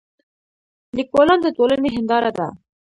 لیکوالان د ټولنې هنداره ده.